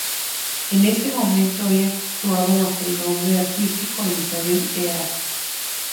En este momento ella actuaba bajo el nombre artístico Elizabeth Earl.